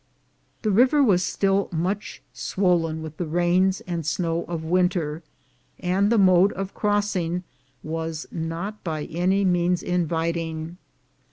The river was still much swollen with the rains and snow of winter, and the mode of crossing was not by any means inviting.